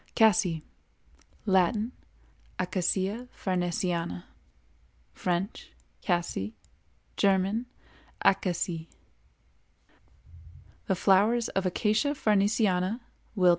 CASSIE. Latin—Acacia farnesiana; French—Cassie; German—Acacie. The flowers of Acacia farnesiana (Willd.)